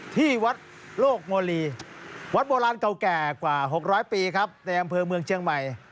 ที่วัดโลกโมลีวัดโบราณเก่าแก่กว่า๖๐๐ปีครับในอำเภอเมืองเชียงใหม่